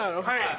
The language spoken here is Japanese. はい。